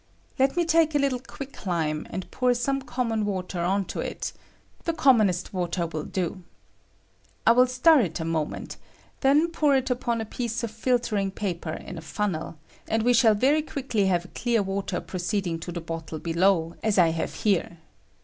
Let me take a little quick lime and pom some common water on to it — the commonest water will do. I will stir it a moment, then pour it upon a piece of filtering paper in a fun nel, and wo shall very quickly have a clear water proceeding to the bottle below, as I have here.